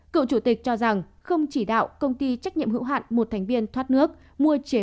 cựu chủ tịch cho rằng không chỉ đạo công ty trách nhiệm hữu hạn một thành viên thoát nước mua chế